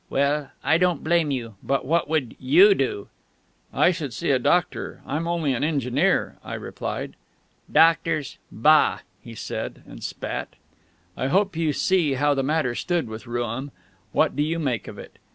Well, I don't blame you. But what would you do?" "I should see a doctor; I'm only an engineer," I replied. "Doctors?... Bah!" he said, and spat. I hope you see how the matter stood with Rooum. What do you make of it?